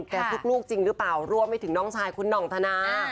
ลูกจริงหรือเปล่ารวมไปถึงน้องชายคุณห่องธนา